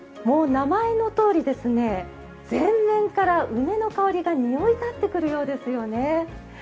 もう名前のとおり全面から梅の香りがにおいたってくるようですよね。